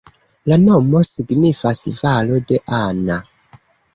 La nomo signifas valo de Anna.